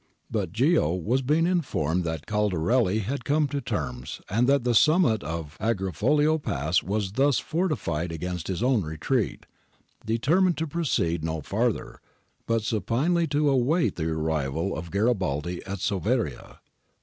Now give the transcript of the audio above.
But Ohio, on being informed that Caldarelli had come to terms and that the summit of Agrifoglio pass was thus forti fied against his own retreat, determined to proceed no farther, but supinely to await the arrival of Garibaldi at Soveria.